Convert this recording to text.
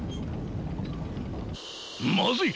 まずい！